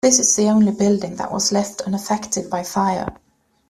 This is the only building that was left unaffected by fire.